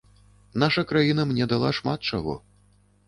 Наша краіна мне дала шмат чаго.